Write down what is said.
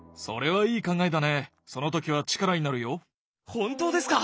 本当ですか！？